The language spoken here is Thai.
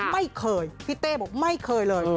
ไม่เคยพี่เต้บอกไม่เคยเลย